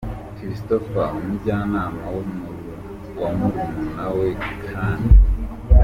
Christopher umujyanama wa murumuna we Kane.